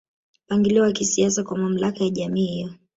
Mpangilio wa kisiasa kwa mamlaka ya jamii hiyo